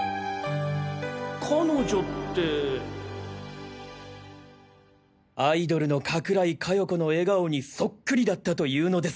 彼女ってアイドルの加倉井加代子の笑顔にそっくりだったというのです。